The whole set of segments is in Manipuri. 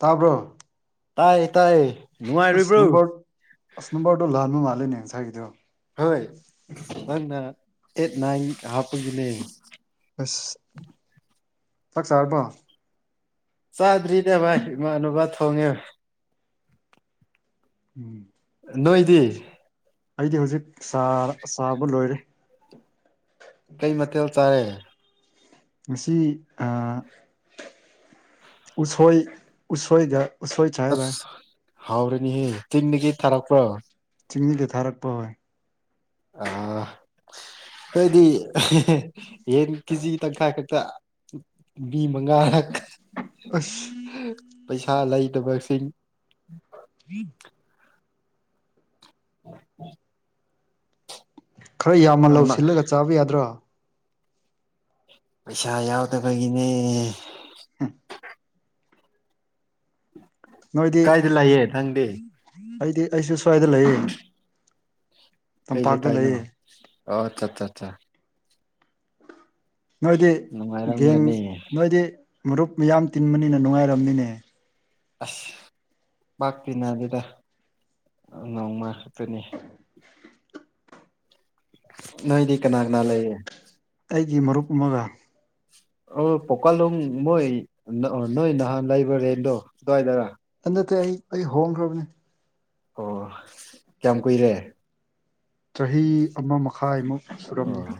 ꯇꯥꯕ꯭ꯔꯣ ꯇꯥꯏꯌꯦ ꯇꯥꯏꯌꯦ ꯑꯁ ꯅꯨꯡꯉꯥꯏꯔꯤꯕ꯭ꯔꯣ ꯅꯝꯕꯔ ꯑꯁ ꯅꯝꯕꯔꯗꯣ ꯂꯥꯟꯕ ꯃꯥꯜꯂꯦꯅꯦ ꯉꯁꯥꯏꯒꯤꯗꯣ ꯍꯣꯏ ꯅꯪꯅ ꯑꯩꯠ ꯅꯥꯏꯟ ꯍꯥꯞ ꯑꯁ [unintelligible] ꯆꯥꯛ ꯆꯥꯔꯕ ꯆꯥꯗ꯭ꯔꯤꯗ ꯚꯥꯏ ꯏꯃꯥꯟꯅꯕ ꯊꯣꯡꯉꯦ ꯎꯝ ꯅꯣꯏꯗꯤ ꯑꯩꯗꯤ ꯍꯧꯖꯤꯛ ꯆꯥ ꯆꯥꯕ ꯂꯣꯏꯔꯦ ꯀꯩ ꯃꯊꯦꯜ ꯆꯥꯏꯌꯦ ꯉꯁꯤ ꯑꯥ ꯎꯁꯣꯏ ꯎꯁꯣꯏꯒ ꯎꯁꯣꯏ ꯆꯥꯏ ꯚꯥꯏ ꯍꯥꯎꯔꯅꯤ ꯍꯦ ꯇꯤꯟꯗꯒꯤ ꯊꯔꯛꯄꯔꯣ ꯆꯤꯡꯅꯤꯒ ꯊꯥꯔꯛꯄ ꯍꯣꯏ ꯑꯥ ꯑꯩꯗꯤ ꯌꯦꯟ ꯀꯦꯖꯤ ꯇꯪꯈꯥꯏ ꯈꯛꯇ ꯃꯤ ꯃꯉꯥꯒ ꯑꯁ ꯄꯩꯁꯥ ꯂꯩꯇꯕꯁꯤꯡ [inaudible] [inaudible] ꯈꯔ ꯌꯥꯝꯅ ꯂꯧꯁꯤꯜꯂꯒ ꯆꯥꯕ ꯌꯥꯗ꯭ꯔꯣ ꯄꯩꯁꯥ ꯌꯥꯎꯗꯕꯒꯤꯅꯦ ꯅꯣꯏꯗꯤ ꯀꯥꯏꯗ ꯂꯩꯌꯦ ꯅꯪꯗꯤ ꯑꯩꯗꯤ ꯑꯩꯁꯨ ꯁ꯭ꯋꯥꯏꯗ ꯂꯩꯌꯦ ꯀꯩ ꯂꯩ ꯇꯝꯄꯥꯛꯇ ꯀꯥꯏꯅꯣ ꯂꯩꯌꯦ ꯑꯣ ꯆꯥꯆꯥꯆꯥ ꯅꯣꯏꯗꯤ ꯒꯦꯡ ꯅꯨꯡꯉꯥꯏꯔꯝꯒꯅꯤ ꯅꯣꯏꯗꯤ ꯃꯔꯨꯞ ꯃꯌꯥꯝ ꯇꯤꯟꯕꯅꯤꯅ ꯅꯨꯡꯉꯥꯏꯔꯝꯅꯤꯅꯦ ꯑꯁ ꯄꯥꯛ ꯇꯤꯟꯅꯗꯦꯗ ꯅꯣꯡ ꯃꯥ ꯈꯛꯇꯅꯦ ꯅꯣꯏꯗꯤ ꯀꯅꯥ ꯀꯅꯥ ꯂꯩꯌꯦ ꯑꯩꯒꯤ ꯃꯔꯨꯞ ꯑꯃꯒ ꯑꯣ ꯄꯣꯛꯀꯥꯂꯨꯝ ꯃꯣꯏ ꯅꯣꯏ ꯅꯍꯥꯟ ꯂꯩꯕ ꯔꯦꯟꯗꯣ ꯑꯗꯨꯋꯥꯏꯗꯔꯥ ꯅꯠꯇꯦ ꯑꯩ ꯑꯩ ꯍꯣꯡꯈ꯭ꯔꯥꯕꯅꯦ ꯑꯣ ꯀꯌꯥꯝ ꯀꯨꯏꯔꯦ ꯆꯍꯤ ꯑꯃ ꯃꯈꯥꯏꯃꯨꯛ ꯁꯨꯔꯝꯅꯤ ꯑꯣ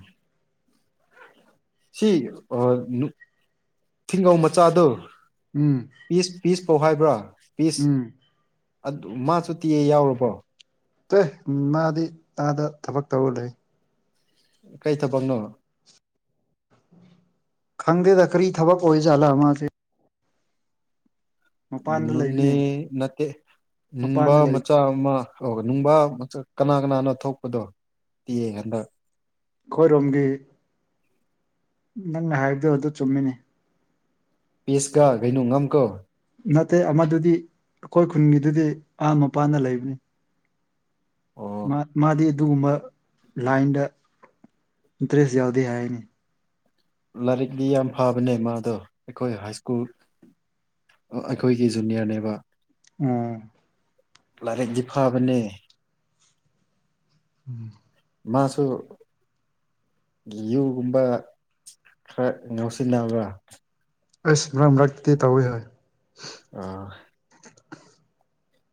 ꯁꯤ ꯑꯣ ꯅꯨꯞ ꯊꯤꯡꯉꯧ ꯃꯆꯥꯗꯣ ꯎꯝ ꯇꯧ ꯍꯥꯏꯕ꯭ꯔꯥ ꯄꯤꯁ ꯎꯝ ꯑꯗꯨ ꯃꯥꯁꯨ ꯇꯤꯌꯦ ꯌꯥꯎꯔꯕꯣ ꯇꯦ ꯃꯥꯗꯤ ꯑꯥꯗ ꯊꯕꯛ ꯇꯧꯔ ꯂꯩꯌꯦ ꯀꯩ ꯊꯕꯛꯅꯣ ꯈꯪꯗꯦꯗ ꯀꯔꯤ ꯊꯕꯛ ꯑꯣꯏꯖꯥꯠꯂꯥ ꯃꯥꯁꯦ ꯃꯄꯥꯟꯗ ꯅꯣꯅꯦ ꯂꯩꯕꯅꯦ ꯅꯠꯇꯦ ꯅꯨꯡꯕ ꯃꯄꯥꯟꯗ ꯂꯩ ꯃꯆꯥ ꯑꯃ ꯑꯣ ꯅꯨꯡꯕꯥ ꯀꯅꯥ ꯀꯅꯥꯅꯣ ꯊꯣꯛꯄꯗꯣ ꯇꯤ ꯌꯦ ꯍꯟꯗꯛ ꯑꯩꯈꯣꯏꯔꯣꯝꯒꯤ ꯅꯪ ꯅ ꯍꯥꯏꯕꯗꯨ ꯑꯗꯨ ꯆꯨꯝꯃꯦꯅꯦ ꯄꯤꯁꯀ ꯀꯩꯅꯣ ꯉꯝ ꯀꯣ ꯅꯠꯇꯦ ꯑꯃꯗꯨꯗꯤ ꯑꯩꯈꯣꯏ ꯈꯨꯟꯒꯤꯗꯨꯗꯤ ꯑꯥ ꯃꯄꯥꯅ ꯂꯩꯕꯅꯦ ꯑꯣ ꯃꯥ ꯃꯥꯗꯤ ꯑꯗꯨꯒꯨꯝꯕ ꯂꯥꯏꯟꯗ ꯏꯟꯇ꯭ꯔꯦꯁ ꯌꯥꯎꯗꯦ ꯍꯥꯏꯅꯦ ꯂꯥꯏꯔꯤꯛꯗꯤ ꯌꯥꯝ ꯐꯕꯅꯦ ꯃꯥꯗꯣ ꯑꯩꯈꯣꯏ ꯍꯥꯏ ꯁ꯭ꯀꯨꯜ ꯑꯩꯈꯣꯏꯒꯤ ꯖꯨꯅꯤꯌꯔꯅꯦꯕ ꯎꯝ ꯂꯥꯏꯔꯤꯛꯇꯤ ꯐꯥꯕꯅꯦ ꯎꯝ ꯃꯥꯁꯨ ꯌꯨꯨꯒꯨꯝꯕ ꯈꯔ ꯉꯥꯎꯁꯤꯟꯅꯕ꯭ꯔꯥ ꯑꯩꯁꯨ ꯃꯔꯛ ꯃꯔꯛꯇꯗꯤ ꯇꯧꯏ ꯍꯣꯏ ꯑꯥ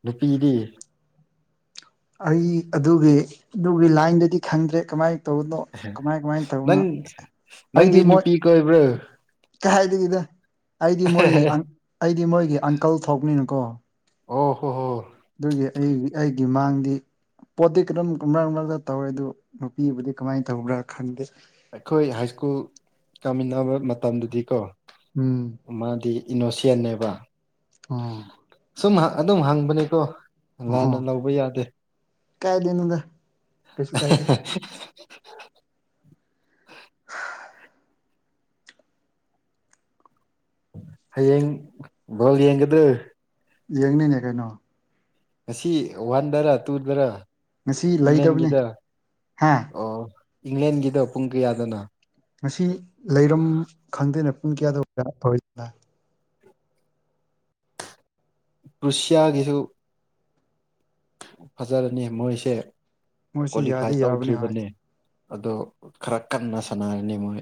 ꯅꯨꯄꯤꯗꯤ ꯑꯩ ꯑꯗꯨꯒꯤ ꯑꯗꯨꯒꯤ ꯂꯥꯏꯟꯗꯗꯤ ꯈꯪꯗ꯭ꯔꯦ ꯀꯃꯥꯏ ꯇꯧꯕꯅꯣ ꯀꯃꯥꯏ ꯀꯃꯥꯏ ꯇꯧꯕꯅꯣ ꯅꯪ ꯑꯩꯗꯤ ꯅꯪꯗꯤ ꯃꯣꯏ ꯅꯨꯄꯤ ꯀꯣꯏꯕ꯭ꯔꯣ ꯀꯩ ꯍꯥꯏꯗꯤꯗ ꯑꯩꯗꯤ ꯃꯣꯏꯒꯤ ꯑꯪ ꯑꯩꯗꯤ ꯃꯣꯏꯒꯤ ꯑꯪꯀꯜ ꯊꯣꯛꯄꯅꯤꯅꯀꯣ ꯑꯣ ꯍꯣ ꯍꯣ ꯑꯗꯨꯒꯤ ꯑꯩꯒ ꯑꯩꯒꯤ ꯃꯥꯡꯗꯤ ꯄꯣꯠꯇꯤ ꯀꯔꯝ ꯀꯔꯥ ꯃꯔꯛ ꯃꯔꯛꯇ ꯇꯧꯌꯦ ꯑꯗꯨ ꯅꯨꯄꯤꯕꯨꯗꯤ ꯀꯃꯥꯏ ꯇꯧꯕ꯭ꯔꯥ ꯈꯪꯗꯦ ꯑꯩꯈꯣꯏ ꯍꯥꯏ ꯁ꯭ꯀꯨꯜ ꯇꯝꯃꯤꯟꯅꯕ ꯃꯇꯝꯗꯗꯤꯀꯣ ꯎꯝ ꯃꯥꯗꯤ ꯏꯅꯣꯁꯦꯟꯅꯦꯕ ꯑꯣ ꯁꯨꯝ ꯑ ꯑꯗꯨꯝ ꯍꯪꯕꯅꯤꯀꯣ ꯑꯣꯍꯣ ꯂꯥꯟꯅ ꯂꯧꯕ ꯌꯥꯗꯦ ꯀꯥꯏꯗꯩꯅꯣꯗ ꯑꯍ ꯀꯩꯁꯨ ꯀꯥꯏꯗꯦ ꯍ ꯍ ꯍ ꯍ ꯍ ꯍꯌꯦꯡ ꯕꯣꯜ ꯌꯦꯡꯒꯗꯦ ꯌꯦꯡꯅꯤꯅꯦ ꯀꯩꯅꯣ ꯉꯁꯤ ꯋꯥꯟꯗꯔꯥ ꯇꯨꯗꯔꯥ ꯉꯁꯤ ꯂꯩꯗꯕꯅꯤ ꯏꯪꯂꯦꯟꯒꯤꯗ ꯍꯥ ꯑꯣ ꯏꯪꯂꯦꯟꯒꯤꯗꯣ ꯄꯨꯡ ꯀꯌꯥꯗꯅꯣ ꯉꯁꯤ ꯂꯩꯔꯝ ꯈꯪꯗꯦꯅ ꯄꯨꯡ ꯀꯌꯥꯗ [unintelligible] ꯀꯩꯅꯣ ꯇꯧꯋꯤꯗꯨꯅ ꯔꯨꯁꯁꯤꯌꯥꯒꯤꯁꯨ ꯐꯖꯔꯅꯤ ꯃꯣꯏꯁꯦ ꯃꯣꯏꯁꯤ ꯀ꯭ꯋꯥꯂꯤꯐꯥꯏ ꯌꯥꯗꯤ ꯌꯥꯕꯅꯤ ꯍꯣꯏ ꯇꯧꯗ꯭ꯔꯤꯕꯅꯦ ꯑꯗꯣ ꯈꯔ ꯀꯟꯅ ꯁꯥꯟꯅꯔꯅꯤ ꯃꯣꯏ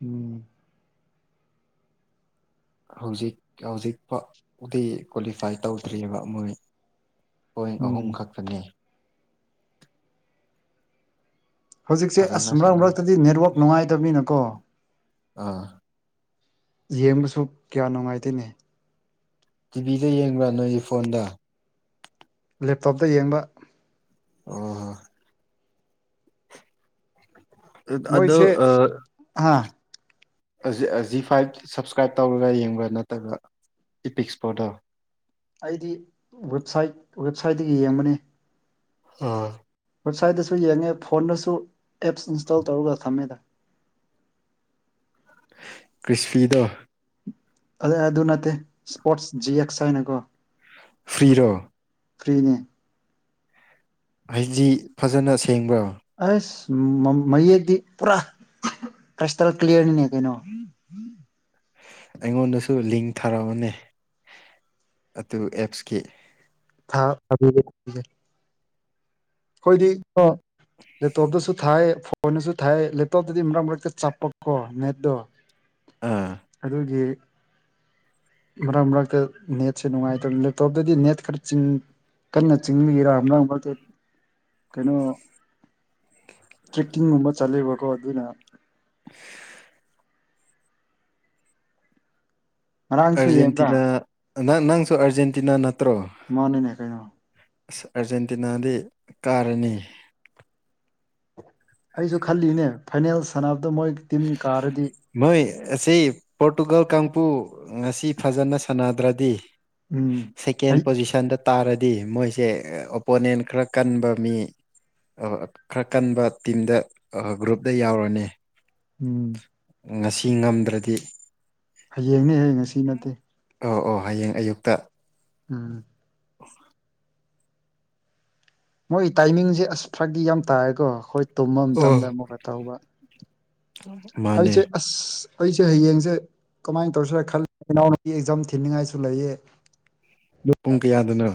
ꯎꯝ ꯍꯧꯖꯤꯛ ꯍꯧꯖꯤꯛꯄꯥ ꯎꯗꯤ ꯀ꯭ꯋꯥꯂꯤꯐꯥꯏ ꯇꯧꯗ꯭ꯔꯤꯕ ꯃꯣꯏ ꯄꯣꯏꯟ ꯑꯍꯨꯝ ꯎꯝ ꯈꯛꯇꯅꯤ ꯍꯧꯖꯤꯛꯁꯦ ꯑꯁ ꯐꯖꯅ ꯃ꯭ꯔꯛ ꯁꯥꯟꯅꯍꯟꯗ ꯃ꯭ꯔꯛꯇꯗꯤ ꯅꯦꯠꯋꯛ ꯅꯨꯡꯉꯥꯏꯇꯕꯅꯤꯅꯀꯣ ꯑꯥ ꯌꯦꯡꯕꯁꯨ ꯀꯌꯥ ꯅꯨꯡꯉꯥꯏꯇꯦꯅꯦ ꯇꯤꯚꯤꯗ ꯌꯦꯡꯕ꯭ꯔ ꯅꯣꯏꯗꯤ ꯐꯣꯟꯗ ꯂꯦꯞꯇꯣꯞꯇ ꯌꯦꯡꯕ ꯑꯣ ꯑ ꯑꯗꯣ ꯃꯣꯏꯁꯦ ꯑ ꯑ ꯑꯖꯤ ꯑꯖꯤ ꯐꯥꯏꯚ ꯁꯞꯁꯀ꯭ꯔꯥꯏꯞ ꯇꯧꯔꯒ ꯌꯦꯡꯕ꯭ꯔꯥ ꯅꯠꯇꯒ ꯏꯄꯤꯛꯁꯄꯣꯗ ꯑꯩꯗꯤ ꯋꯦꯕꯁꯥꯢꯠ ꯋꯦꯕꯁꯥꯏꯠꯇꯒꯤ ꯌꯦꯡꯕꯅꯦ ꯑꯥ ꯋꯦꯕꯁꯥꯏꯠꯇꯁꯨ ꯌꯦꯡꯉꯦ ꯐꯣꯟꯗꯁꯨ ꯑꯦꯞꯁ ꯏꯟꯁꯇꯣꯜ ꯇꯧꯔꯒ ꯊꯝꯃꯦꯗ ꯀ꯭ꯔꯤꯁꯐꯤꯗꯣ ꯑꯗ ꯑꯗꯨ ꯅꯠꯇꯦ ꯁ꯭ꯄꯣꯔꯠꯁ ꯖꯤ ꯑꯦꯛꯁ ꯍꯥꯏꯅꯀꯣ ꯐ꯭ꯔꯤꯔꯣ ꯐ꯭ꯔꯤꯅꯦ ꯍꯩꯖꯤ ꯐꯖꯅ ꯁꯦꯡꯕ꯭ꯔꯥ ꯎꯝ ꯃ ꯃꯌꯦꯛꯇꯤ ꯄꯨꯔꯥ ꯈ꯭ꯔꯥꯢꯁꯇꯜ ꯀ꯭ꯂꯤꯌꯔꯅꯤꯅꯦ ꯀꯩꯅꯣ ꯑꯩꯉꯣꯟꯗꯁꯨ ꯂꯤꯡ ꯊꯥꯔꯛꯑꯣꯅꯦ ꯑꯗꯨ ꯑꯦꯞꯁꯀꯤ ꯊꯥ ꯊꯥꯕꯤꯒꯦ [unintelligible] ꯑꯩꯈꯣꯏꯗꯤ ꯀꯣ ꯂꯦꯞꯇꯣꯞꯇꯁꯨ ꯊꯥꯏ ꯐꯣ ꯐꯣꯟꯗꯁꯨ ꯊꯥꯏ ꯂꯦꯞꯇꯣꯞꯇꯗꯤ ꯃꯔꯛ ꯃꯔꯛꯇ ꯆꯞꯄꯀꯣ ꯅꯦꯠꯇꯨ ꯑꯥ ꯑꯗꯨꯒꯤ ꯃꯔ ꯃ꯭ꯔꯛꯇ ꯅꯦꯠꯁꯦ ꯅꯨꯡꯉꯥꯏꯇ ꯂꯦꯞꯇꯣꯞꯇꯗꯤ ꯅꯦꯠ ꯈꯔ ꯆꯤꯡ ꯀꯟꯅ ꯆꯤꯡꯕꯒꯤꯔꯥ ꯃꯔꯛ ꯃꯔꯛꯇ ꯀꯩꯅꯣ ꯇ꯭ꯔꯦꯛꯀꯤꯡꯒꯨꯝꯕ ꯆꯠꯂꯦꯕꯀꯣ ꯑꯗꯨꯅ [inaudible] ꯉꯔꯥꯡꯁꯨ ꯌꯦꯡꯕ꯭ꯔꯥ ꯑꯥꯔꯖꯦꯟꯇꯤꯅꯥ ꯅꯪ ꯅꯪꯁꯨ ꯑꯥꯔꯖꯦꯟꯇꯤꯅ ꯅꯠꯇ꯭ꯔꯣ ꯃꯥꯅꯤꯅꯦ ꯀꯩꯅꯣ ꯑꯁ ꯑꯥꯔꯖꯦꯟꯇꯤꯅꯥꯗꯤ ꯀꯥꯔꯅꯤ ꯑꯩꯁꯨ ꯈꯜꯂꯤꯅꯦ ꯐꯥꯏꯅꯦꯜ ꯁꯥꯟꯅꯕꯗ ꯃꯣꯏ ꯇꯤꯝ ꯀꯥꯔꯗꯤ ꯃꯣꯏ ꯑꯁꯤ ꯄꯣꯔꯇꯨꯒꯜ ꯀꯥꯡꯄꯨ ꯉꯁꯤ ꯐꯖꯅ ꯁꯥꯟꯅꯗ꯭ꯔꯗꯤ ꯎꯝ ꯁꯦꯀꯦꯟ ꯑꯩ ꯄꯣꯖꯤꯁꯟꯗ ꯇꯥꯔꯗꯤ ꯃꯣꯏꯁꯦ ꯑꯣꯄꯣꯅꯦꯟ ꯈꯔ ꯀꯟꯕ ꯃꯤ ꯑ ꯈꯔ ꯀꯟꯕ ꯇꯤꯝꯗ ꯑ ꯒ꯭ꯔꯨꯞꯗ ꯌꯥꯎꯔꯅꯤ ꯎꯝ ꯉꯁꯤ ꯉꯝꯗ꯭ꯔꯗꯤ ꯍꯌꯦꯡꯅꯦꯍꯦ ꯉꯁꯤ ꯅꯠꯇꯦ ꯑꯣ ꯑꯣ ꯍꯌꯦꯡ ꯑꯌꯨꯛꯇ ꯎꯝ [inaudible] ꯃꯣꯏ ꯇꯥꯏꯃꯤꯡꯁꯦ ꯑꯁ ꯐꯒꯤ ꯌꯥꯝ ꯇꯥꯏꯑꯦꯀꯣ ꯑꯈꯣꯏ ꯇꯨꯝꯕ ꯑꯣ ꯃꯇꯝꯗ ꯑꯃꯨꯛꯀ ꯇꯧꯕ ꯃꯥꯅꯦ ꯍꯧꯖꯤꯛꯁꯦ ꯑꯁ ꯈꯣꯏꯁꯦ ꯍꯌꯦꯡꯁꯦ ꯀꯃꯥꯏꯅ ꯇꯧꯁꯤꯔ ꯈꯜꯂꯤ ꯏꯅꯥꯎꯅꯨꯄꯤ ꯑꯦꯛꯖꯥꯝ ꯊꯤꯟꯅꯤꯡꯉꯥꯏꯁꯨ ꯂꯩꯌꯦ ꯑꯗꯨꯒ ꯄꯨꯡ ꯀꯌꯥꯗꯅꯣ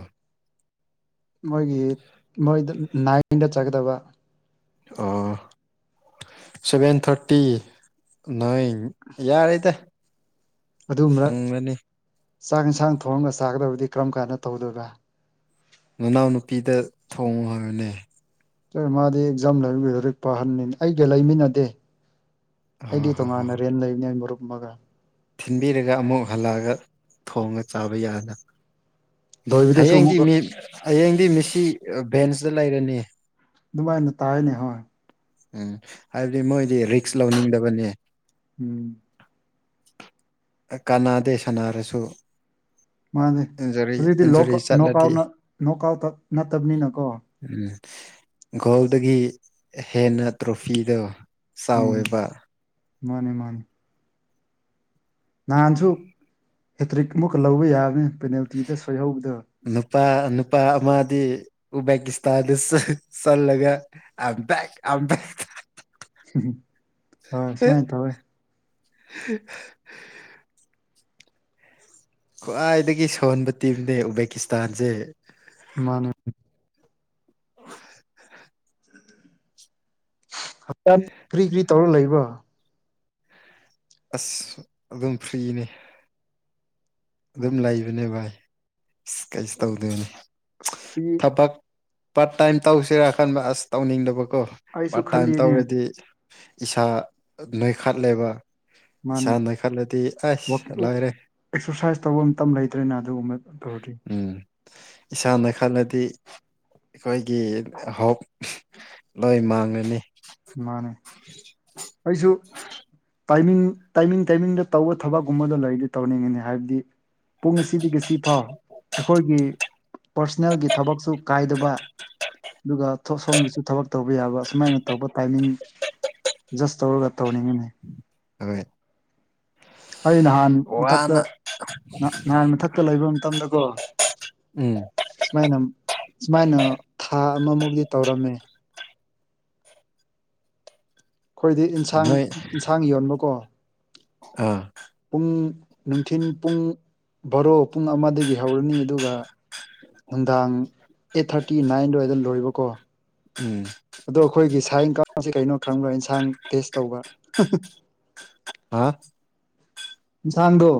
ꯃꯣꯏꯒꯤ ꯃꯣꯏꯗ ꯅꯥꯏꯟꯗ ꯆꯠꯀꯗꯕ ꯑꯣ ꯁꯚꯦꯟ ꯊꯥꯔꯇꯤ ꯅꯥꯏꯟ ꯎꯝ ꯌꯥꯔꯦꯗ ꯑꯗꯨꯝꯔꯛ ꯁꯪꯂꯅꯤ ꯆꯥꯛ ꯏꯟꯁꯥꯡ ꯊꯣꯡꯉꯒ ꯆꯥꯒꯗꯕꯗꯤ ꯀꯔꯝ ꯀꯥꯟꯗ ꯇꯧꯗꯣꯏꯕ ꯅꯅꯥꯎ ꯅꯨꯨꯄꯤꯗ ꯊꯣꯡꯉꯣ ꯍꯥꯏꯌꯨꯅꯦ ꯆꯣꯏ ꯃꯥꯗꯤ ꯑꯦꯛꯖꯥꯝ ꯂꯩꯕꯅꯤꯅ ꯂꯥꯏꯔꯤꯛ ꯄꯥꯍꯟꯂꯤꯅꯤ ꯑꯩꯒ ꯂꯩꯃꯤꯟꯅꯗꯦ ꯍ ꯑꯩꯗꯤ ꯍꯣꯏ ꯍꯣꯏ ꯇꯣꯡꯉꯥꯟꯅ ꯍꯣꯏ ꯔꯦꯟ ꯂꯩꯕꯅꯦ ꯃꯔꯨꯞ ꯑꯃꯒ ꯊꯤꯟꯕꯤꯔꯒ ꯑꯃꯨꯛ ꯍꯜꯂꯛꯑꯒ ꯊꯣꯡꯉ ꯆꯥꯕ ꯌꯥꯅ ꯂꯣꯏꯕꯗꯁꯨ ꯍꯌꯦꯡꯗꯤ ꯑꯃꯨꯛꯀ ꯃꯤ ꯍꯌꯦꯡꯗꯤ ꯃꯤꯁꯤ ꯚꯦꯟꯁꯇ ꯂꯩꯔꯅꯤ ꯗꯨꯃꯥꯏꯅ ꯇꯥꯏꯅꯦ ꯍꯣꯏ ꯎꯝ ꯍꯥꯏꯕꯗꯤ ꯃꯣꯏꯗꯤ ꯔꯤꯛꯁ ꯂꯧꯅꯤꯡꯗꯕꯅꯦ ꯎꯝ ꯀꯅꯥꯗꯦ ꯁꯥꯟꯅꯔꯁꯨ ꯃꯥꯅꯦ ꯏꯟꯖꯨꯔꯤ ꯍꯧꯖꯤꯛꯇꯤ ꯏꯟꯖꯨꯔꯤ ꯂꯣꯛꯀꯞ ꯆꯠꯂꯗꯤ ꯅꯣꯛꯀꯥꯎꯅ ꯅꯣꯡꯀꯥꯎꯈꯛ ꯅꯠꯇꯕꯅꯤꯅꯀꯣ ꯎꯝ ꯒꯣꯜꯗꯒꯤ ꯍꯦꯟꯅ ꯇ꯭ꯔꯣꯐꯤꯗꯣ ꯆꯥꯎꯑꯦꯕ ꯃꯥꯟꯅꯦ ꯃꯥꯟꯅꯦ ꯅꯍꯥꯟꯁꯨ ꯍꯦꯇ꯭ꯔꯤꯛ ꯑꯃꯨꯛꯀ ꯂꯧꯕ ꯌꯥꯕꯅꯦ ꯄꯦꯅꯥꯜꯇꯤꯗ ꯁꯣꯏꯍꯧꯕꯗꯣ ꯅꯨꯄꯥ ꯅꯨꯄꯥ ꯑꯃꯗꯤ ꯎꯕꯦꯛꯀꯤꯁꯇꯥꯟꯗ ꯆ ꯆꯜꯂꯒ I'm back I'm I'm back ꯍꯝ ꯍꯝ ꯍꯣꯏ ꯁꯨꯃꯥꯏꯅ ꯇꯧꯋꯦ [inaudible] ꯈ꯭ꯋꯥꯏꯗꯒꯤ ꯁꯣꯟꯕ ꯇꯤꯝꯅꯦ ꯎꯕꯦꯀꯤꯁꯇꯥꯟꯁꯦ ꯃꯥꯟꯅꯦ [inaudible] [unintelligible] ꯀ꯭ꯔꯤ ꯀ꯭ꯔꯤ ꯇꯧꯔ ꯂꯩꯕꯣ ꯑꯁ ꯑꯗꯨꯝ ꯐ꯭ꯔꯤꯅꯤ ꯑꯗꯨꯝ ꯂꯩꯕꯅꯦ ꯚꯥꯏ ꯑꯁ ꯀꯩꯁꯨ ꯇꯧꯗꯦꯅꯦ ꯑꯁ ꯐ꯭ꯔꯤ ꯄꯥꯔꯠ ꯇꯥꯏꯝ ꯇꯧꯁꯤꯔ ꯈꯟꯕ ꯑꯁ ꯇꯧꯅꯤꯡꯗꯕꯀꯣ ꯑꯩꯁꯨ ꯄꯥꯔꯠ ꯇꯥꯏꯝ ꯈꯜꯂꯤꯅꯦ ꯇꯧꯔꯗꯤ ꯏꯁꯥ ꯅꯣꯏꯈꯠꯂꯦꯕ ꯏꯁꯥ ꯃꯥꯅꯦ ꯅꯣꯏꯈꯠꯂꯗꯤ ꯑꯁ ꯑꯦꯛꯁꯔꯁꯥꯏꯁ ꯂꯣꯏꯔꯦ ꯇꯧꯕ ꯃꯇꯝ ꯂꯩꯇ꯭ꯔꯦꯅ ꯑꯗꯨꯒꯨꯝꯕ ꯇꯧꯔꯗꯤ ꯎꯝ ꯏꯁꯥ ꯅꯣꯏꯈꯠꯂꯗꯤ ꯑꯈꯣꯏꯒꯤ ꯍꯣꯞ ꯂꯣꯏ ꯃꯥꯡꯂꯅꯤ ꯃꯥꯟꯅꯦ ꯑꯩꯁꯨ ꯇꯥꯏꯃꯤꯡ ꯇꯥꯏꯃꯤꯡ ꯇꯥꯏꯃꯤꯡꯗ ꯇꯧꯕ ꯊꯕꯛꯀꯨꯝꯕꯗꯣ ꯂꯩꯔꯗꯤ ꯇꯧꯅꯤꯡꯉꯤꯅꯦ ꯍꯥꯏꯗꯤ ꯄꯨꯡ ꯑꯁꯤꯗꯒꯤꯁꯤꯐꯥꯎ ꯑꯩꯈꯣꯏꯒꯤ ꯄ꯭ꯔꯁꯣꯅꯦꯜꯒꯤ ꯊꯕꯛꯁꯨ ꯀꯥꯏꯗꯕ ꯑꯗꯨꯒ ꯁꯣꯝꯒꯤꯁꯨ ꯊꯕꯛ ꯇꯧꯕ ꯇꯧꯕ ꯌꯥꯕ ꯁꯨꯃꯥꯏꯅ ꯇꯧꯕ ꯇꯥꯏꯃꯤꯡ ꯖꯁ ꯇꯧꯔꯒ ꯇꯧꯅꯤꯡꯉꯤꯅꯦ ꯍꯣꯔꯦꯟ ꯑꯩ ꯅꯍꯥꯟ ꯃꯊꯛꯇ ꯅꯍꯥꯟ ꯃꯊꯛꯇ ꯂꯩꯕ ꯃꯇꯝꯗꯀꯣ ꯎꯝ ꯁꯨꯃꯥꯏꯅ ꯁꯨꯃꯥꯏꯅ ꯊꯥ ꯑꯃ ꯃꯨꯛꯇꯤ ꯇꯧꯔꯝꯃꯦ ꯑꯩꯈꯣꯏꯗꯤ ꯏꯟꯁꯥꯡ ꯅꯣꯏ ꯏꯟꯁꯥꯡ ꯌꯣꯟꯕꯀꯣ ꯑꯥ ꯄꯨꯡ ꯅꯨꯡꯊꯤꯟ ꯄꯨꯡ ꯕꯥꯔꯣ ꯄꯨꯡ ꯑꯃꯗꯒꯤ ꯍꯧꯔꯅꯤ ꯑꯗꯨꯒ ꯅꯨꯡꯗꯥꯡ ꯑꯦꯠ ꯊꯥꯔꯇꯤ ꯅꯥꯏꯟ ꯑꯗꯨꯋꯥꯏꯗ ꯂꯣꯏꯕꯀꯣ ꯎꯝ ꯑꯗꯣ ꯑꯩꯈꯣꯏꯒꯤ ꯁꯥꯏꯟ ꯀꯥꯡꯁꯤ ꯀꯩꯅꯣ ꯈꯪꯕ꯭ꯔ ꯏꯟꯁꯥꯡ ꯇꯦꯁ ꯇꯧꯕ ꯍꯥ ꯏꯟꯁꯥꯡꯗꯣ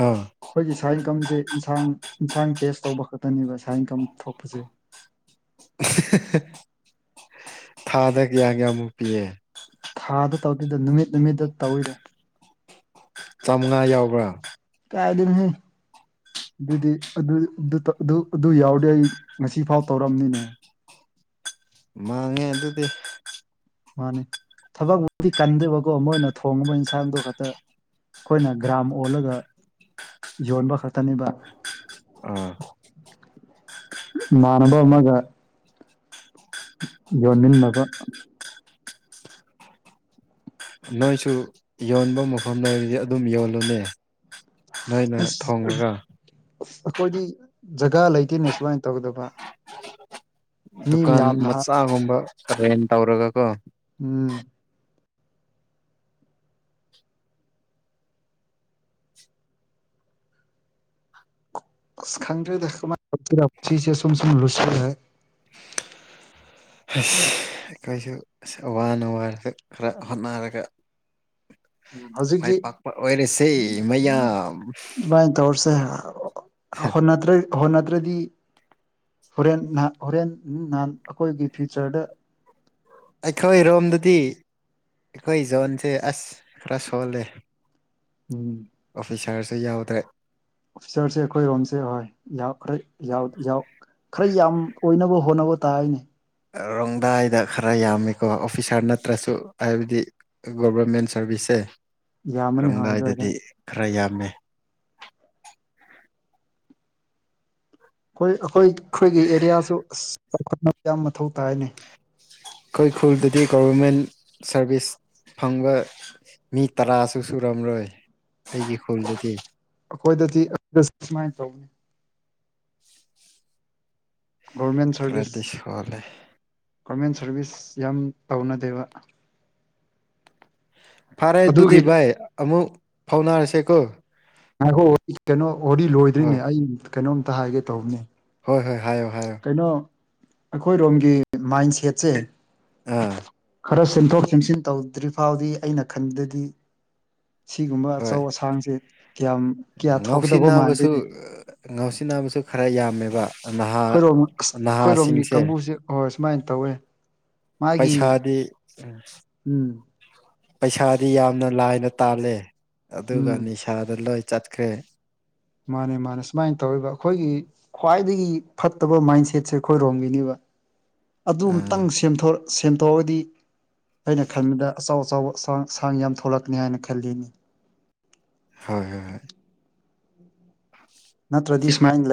ꯑꯥ ꯑꯩꯈꯣꯏꯒꯤ ꯁꯥ ꯏꯟꯀꯝꯁꯦ ꯏꯟꯁꯥꯡ ꯏꯟꯁꯥꯡ ꯇꯦꯁ ꯇꯧꯕ ꯈꯛꯇꯅꯦꯕ ꯁꯥ ꯏꯟꯀꯝ ꯊꯣꯛꯄꯁꯦ [unintelligible] [inaudible] ꯍꯥꯍꯥꯍꯥ ꯊꯥꯗ ꯀꯌꯥ ꯀꯌꯥꯃꯨꯛ ꯄꯤꯌꯦ ꯊꯥꯗ ꯇꯧꯗꯦꯗ ꯅꯨꯃꯤꯠ ꯅꯨꯃꯤꯠꯇ ꯇꯧꯋꯤꯗ ꯆꯥꯃꯉꯥ ꯌꯥꯎꯕ꯭ꯔꯥ ꯀꯥꯏꯗꯩꯅꯣꯍꯦ ꯑꯗꯨꯗꯤ ꯑꯗꯨ ꯑꯗꯨ ꯇꯧ ꯑꯗꯨ ꯑꯗꯨ ꯌꯥꯎꯔꯗꯤ ꯑꯩ ꯉꯁꯤꯐꯥꯎ ꯇꯧꯔꯝꯅꯤꯅꯦ ꯃꯥꯡꯉꯦ ꯑꯗꯨꯗꯤ ꯃꯥꯅꯤ ꯊꯕꯛꯕꯨꯗꯤ ꯀꯟꯗꯦꯕꯀꯣ ꯃꯣꯏꯅ ꯊꯣꯡꯕ ꯏꯟꯁꯥꯡꯗꯣ ꯈꯛꯇ ꯑꯩꯈꯣꯏꯅ ꯒ꯭ꯔꯥꯝ ꯑꯣꯜꯂꯒ ꯌꯣꯟꯕ ꯈꯛꯇꯅꯦꯕ ꯑꯥ ꯏꯃꯥꯟꯅꯕ ꯑꯃꯒ ꯌꯣꯟꯃꯤꯟꯅꯕ ꯅꯣꯏꯁꯨ ꯌꯣꯟꯕ ꯃꯐꯝ ꯂꯩꯔꯗꯤ ꯑꯗꯨꯝ ꯌꯣꯜꯂꯣꯅꯦ ꯅꯣꯏꯅ ꯑꯁ ꯊꯣꯡꯂꯒ ꯑꯩꯈꯣꯏꯗꯤ ꯖꯒꯥ ꯂꯩꯇꯦꯅꯦ ꯁꯨꯃꯥꯏꯅ ꯇꯧꯒꯗꯕ ꯃꯤ ꯗꯨꯀꯥꯟ ꯃꯌꯥꯝꯅ ꯍꯥ ꯃꯆꯥꯒꯨꯝꯕ ꯔꯦꯟ ꯇꯧꯔꯒ ꯀꯣ ꯎꯝ ꯑꯁ ꯈꯪꯗꯔ꯭ꯦꯗ ꯀꯃꯥꯏ ꯇꯧꯗꯣꯏꯅꯣ ꯄꯨꯟꯁꯤꯁꯦ ꯁꯨꯝ ꯁꯨꯝ ꯂꯨꯁꯟꯂꯛꯑꯦ ꯍꯩꯁ ꯑꯩꯈꯣꯏꯁꯨ ꯑꯁ ꯋꯥꯅ ꯋꯥꯔꯁꯨ ꯈꯔ ꯍꯣꯠꯅꯔꯒ [unintelligible] [inaudible] ꯎꯝ ꯃꯥꯏ ꯍꯧꯖꯤꯛꯇꯤ ꯄꯥꯛꯄ ꯑꯣꯏꯔꯁꯦ ꯃꯌꯥꯝ ꯏꯕꯅꯤ ꯇꯧꯔꯁꯦ ꯍꯣꯟꯅꯗ꯭ꯔ ꯍꯣꯠꯅꯗ꯭ꯔꯥꯗꯤ ꯍꯣꯔꯦꯟ ꯍꯣꯔꯦꯟ ꯅꯍꯥꯟ ꯑꯩꯈꯣꯏꯒꯤ ꯐ꯭ꯌꯨꯆꯔꯗ ꯑꯩꯈꯣꯏꯔꯣꯝꯗꯗꯤ ꯑꯩꯈꯣꯏ ꯖꯣꯟꯁꯦ ꯑꯁ ꯈꯔ ꯁꯣꯜꯂꯦ ꯎꯝ ꯑꯣꯐꯤꯁꯔꯁꯨ ꯌꯥꯎꯗ꯭ꯔꯦ ꯑꯣꯐꯤꯁꯥꯔꯁꯦ ꯑꯩꯈꯣꯏꯔꯣꯝꯁꯦ ꯍꯣꯏ ꯌꯥꯎ ꯈꯔ ꯌꯥꯎ ꯌꯥꯎ ꯈꯔ ꯌꯥꯝ ꯑꯣꯏꯅꯕ ꯍꯣꯠꯅꯕ ꯇꯥꯏꯅꯦ ꯔꯣꯡꯗꯥꯏꯗ ꯈꯔ ꯌꯥꯝꯃꯤꯀꯣ ꯑꯣꯐꯤꯁꯥꯔ ꯅꯠꯇ꯭ꯔꯁꯨ ꯍꯥꯏꯕꯗꯤ ꯒꯣꯚꯔꯃꯦꯟ ꯁꯥꯔꯚꯤꯁꯁꯦ ꯌꯥꯝꯃꯅꯤ ꯍꯣꯏ ꯑꯗꯨꯋꯥꯏꯗ ꯔꯣꯡꯗꯥꯏꯗꯗꯤ ꯈꯔ ꯌꯥꯝꯃꯦ ꯑꯈꯣꯏ ꯑꯈꯣꯏ ꯑꯈꯣꯏꯒꯤ ꯑꯦꯔꯤꯌꯥꯁꯨ ꯑꯁ ꯆꯥꯎꯈꯠꯅꯕ ꯌꯥꯝ ꯃꯊꯧ ꯇꯥꯏꯅꯦ ꯑꯩꯈꯣꯏ ꯈꯨꯜꯗꯗꯤ ꯒꯣꯚꯔꯃꯦꯟ ꯁꯥꯔꯚꯤꯁ ꯐꯪꯕ ꯃꯤ ꯇꯔꯥꯁꯨ ꯁꯨꯔꯝꯂꯣꯏ ꯑꯩꯒꯤ ꯈꯨꯜꯗꯗꯤ ꯑꯩꯈꯣꯏꯗꯗꯤ ꯑꯩꯈꯣꯏꯗ ꯁꯨꯃꯥꯏꯅ ꯇꯧꯕꯅꯦ ꯒꯣꯔꯃꯦꯟ ꯈꯔꯗꯤ ꯁꯔꯚꯤꯁ ꯁꯣꯜꯂꯦ ꯒꯣꯔꯃꯦꯟ ꯁꯥꯔꯚꯤꯁ ꯌꯥꯝ ꯇꯧꯅꯗꯦꯕ ꯐꯔꯦ ꯑꯗꯨꯗꯤ ꯑꯗꯨꯒꯤ ꯚꯥꯏ ꯑꯃꯨꯛ ꯐꯧꯅꯔꯁꯦ ꯀꯣ ꯉꯥꯏꯈꯣ ꯀꯩꯅꯣ ꯋꯥꯔꯤ ꯂꯣꯏꯗ꯭ꯔꯤꯅꯦ ꯑꯩ ꯀꯩꯅꯣꯝꯇ ꯍꯥꯏꯒꯦ ꯇꯧꯕꯅꯦ ꯍꯣꯏ ꯍꯣꯏ ꯍꯥꯏꯌꯣ ꯍꯥꯏꯌꯣ ꯀꯩꯅꯣ ꯑꯩꯈꯣꯏꯔꯣꯝꯒꯤ ꯃꯥꯏꯟ ꯁꯦꯠꯁꯦ ꯑꯥ ꯈꯥꯔ ꯁꯦꯝꯊꯣꯛ ꯁꯦꯝꯁꯤꯟ ꯇꯧꯗ꯭ꯔꯤ ꯐꯥꯎꯗꯤ ꯑꯩꯅ ꯈꯟꯕꯗꯗꯤ ꯁꯤꯒꯨꯝꯕ ꯍꯣꯏ ꯑꯆꯧ ꯑꯁꯥꯡꯁꯦ ꯀꯌꯥꯝ ꯀꯌꯥ ꯊꯣꯛꯀꯗꯧꯕ ꯉꯥꯎꯁꯤꯟꯅꯕꯁꯨ ꯃꯥꯟꯗꯦꯅꯦ ꯑ ꯉꯥꯎꯁꯤꯟꯅꯕꯁꯨ ꯈꯥꯔ ꯌꯥꯝꯃꯦꯕ ꯅꯍꯥ ꯑꯈꯣꯏꯔꯣꯝ ꯑꯁ ꯑꯈꯣꯏꯔꯣꯝꯒꯤ ꯅꯍꯥꯁꯤꯡꯁꯦ ꯀꯥꯡꯕꯨꯁꯦ ꯍꯣꯏ ꯁꯨꯃꯥꯏꯅ ꯇꯧꯋꯦ ꯃꯥꯒꯤ ꯄꯩꯁꯥꯗꯤ ꯎꯝ ꯄꯩꯁꯥꯗꯤ ꯌꯥꯝꯅ ꯂꯥꯏꯅ ꯇꯥꯜꯂꯦ ꯑꯗꯨꯒ ꯎꯝ ꯅꯤꯁꯥꯗ ꯂꯣꯏ ꯆꯠꯈ꯭ꯔꯦ ꯃꯥꯟꯅꯦ ꯃꯥꯟꯅꯦ ꯁꯨꯃꯥꯏꯅ ꯇꯧꯔꯤꯕ ꯑꯈꯣꯏꯒꯤ ꯈ꯭ꯋꯥꯏꯗꯒꯤ ꯐꯠꯇꯕ ꯃꯥꯏꯟꯁꯦꯠꯁꯦ ꯑꯈꯣꯏꯔꯣꯝꯒꯤꯅꯤꯕ ꯑꯥ ꯑꯗꯨꯝꯇꯪ ꯁꯦꯝꯊꯣꯛ ꯁꯦꯝꯗꯣꯛꯑꯗꯤ ꯑꯩꯅ ꯈꯟꯕꯗ ꯑꯆꯧ ꯑꯆꯧꯕ ꯁꯥꯡ ꯁꯥꯡ ꯌꯥꯝ ꯊꯣꯛꯂꯛꯀꯅꯤ ꯍꯥꯏꯅ ꯈꯜꯂꯤꯅꯤ ꯍꯣꯏ ꯍꯣꯏ ꯅꯠꯇ꯭ꯔꯗꯤ ꯁꯨꯃꯥꯏ ꯂꯩ